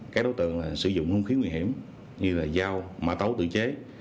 các đối tượng sử dụng không khí nguy hiểm như dao mạ tấu tự chế